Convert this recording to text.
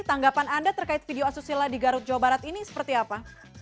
tanggapan anda terkait video asusila di garut jawa barat ini seperti apa